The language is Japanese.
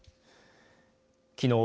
きのう